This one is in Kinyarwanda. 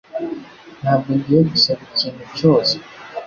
Ntabwo ngiye gusaba ikintu cyose